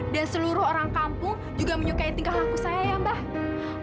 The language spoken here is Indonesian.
dan seluruh orang kampung juga menyukai tingkah laku saya ya mbah